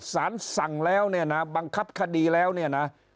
สารสั่งแล้วเนี่ยนะบังคับคดีแล้วเนี่ยนะ